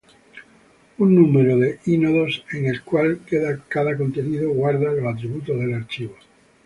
Un número de i-nodos, en el cual cada conteniendo guarda los atributos del archivo.